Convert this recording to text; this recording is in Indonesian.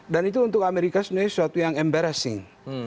dan itu untuk amerika sendiri sesuatu yang embarrassing